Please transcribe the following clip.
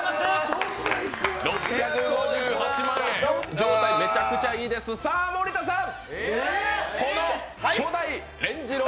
状態めちゃくちゃいいです、さあ森田さん。